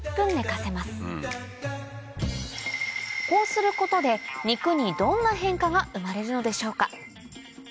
こうすることで肉にどんな変化が生まれるのでしょうか